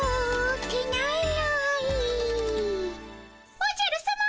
おじゃるさま。